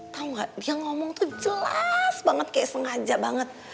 tau gak dia ngomong tuh jelas banget kayak sengaja banget